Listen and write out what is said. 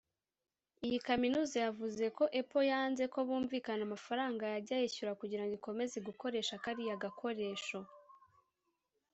Iyi kaminuza yavuze ko Apple yanze ko bumvikana amafaranga yajya yishyura kugira ngo ikomeza gukoresha kariya gakoresho